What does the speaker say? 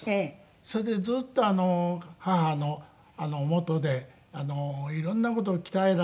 それでずっと母の下で色んな事を鍛えられたりして。